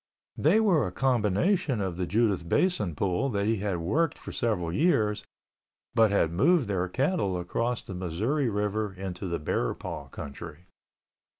They were a combination of the Judith Basin Pool that he had worked for several years, but had moved their cattle across the Missouri River into the Bear Paw country.